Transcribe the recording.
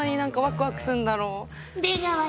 出川よ。